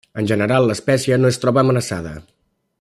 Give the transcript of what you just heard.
En general, l'espècie no es troba amenaçada.